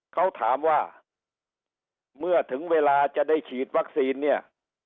เขาถามว่าเมื่อถึงเวลาจะได้ฉีดวัคซีนเนี่ย